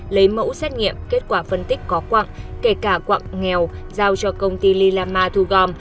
lấy mẫu xét nghiệm kết quả phân tích có quặng kể cả quạng nghèo giao cho công ty lilama thu gom